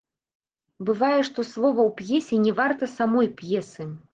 Бывае, што слова ў п'есе не варта самой п'есы.